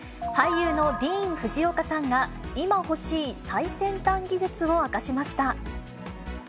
俳優のディーン・フジオカさんが、今欲しい最先端技術を明かしました。